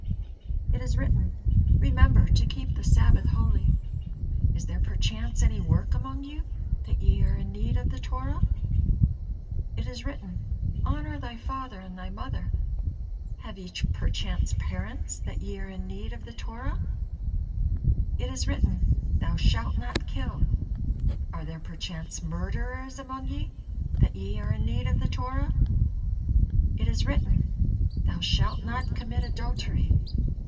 It is written: 'Remember to keep the Sabbath holy.' Is there perchance any work among you, that ye are in need of the Torah? It is written: 'Honor thy father and thy mother.' Have ye perchance parents, that ye are in need of the Torah? It is written: 'Thou shalt not kill.' Are there perchance murderers among ye, that ye are in need of the Torah? It is written: 'Thou shalt not commit adultery.'